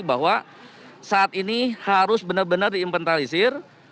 bahwa saat ini harus benar benar diinventarisir